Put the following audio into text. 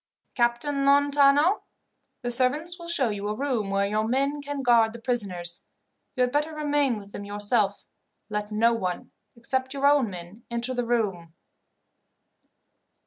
"Captain Lontano, the servants will show you a room where your men can guard the prisoners. You had better remain with them yourself. Let no one, except your own men, enter the room."